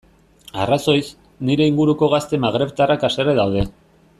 Arrazoiz, nire inguruko gazte magrebtarrak haserre daude.